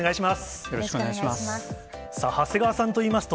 よろしくお願いします。